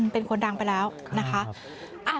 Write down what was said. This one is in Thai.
เป็นคนดังไปแล้วนะคะ